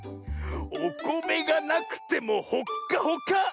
おこめがなくてもほっかほか！